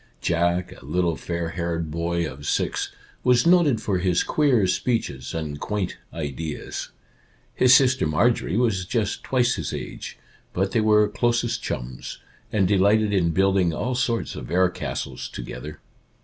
Jack, a little fair haired boy of six, was noted for his queer speeches and quaint ideas. His sister Marjorie was just twice his age, but they were closest chums, and delighted in building all sorts of air castles together.